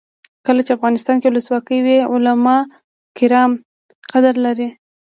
کله چې افغانستان کې ولسواکي وي علما کرام قدر لري.